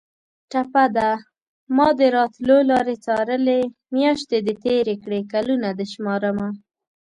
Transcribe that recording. ټپه ده: مادې راتلو لارې څارلې میاشتې دې تېرې کړې کلونه دې شمارمه